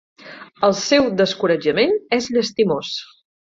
El seu descoratjament és llastimós.